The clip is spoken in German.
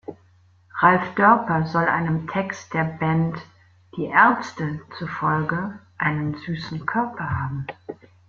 Ralf Dörper soll einem Text der Band Die Ärzte zufolge einen „süßen Körper“ haben.